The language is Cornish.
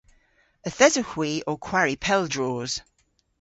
Yth esowgh hwi ow kwari pel droos.